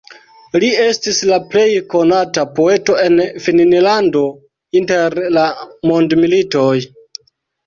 Li estis la plej konata poeto en Finnlando inter la mondmilitoj.